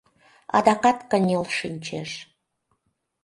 Адакат кынел шинчеш.